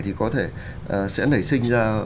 thì có thể sẽ nảy sinh ra